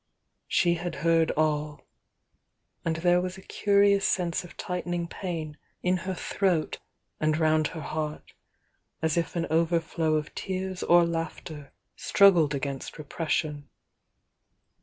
She had heard all, — and there was a curious sense of tight ening pain in her throat and round her heart, as if an overflow of tears or laughter struggled against repression.